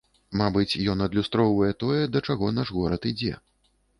Мабыць, ён адлюстроўвае тое, да чаго наш горад ідзе.